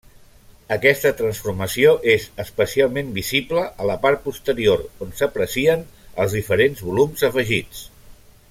Aquesta transformació és especialment visible a la part posterior, on s'aprecien els diferents volums afegits.